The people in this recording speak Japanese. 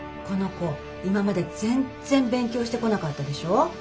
この子今まで全然勉強してこなかったでしょ。